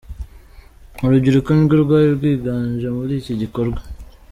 Urubyiruko nirwo rwari rwiganje muri iki gikorwa.